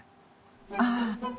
ああ。